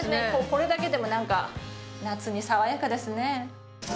これだけでも何か夏に爽やかですね。